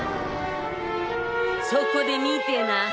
そこで見てな。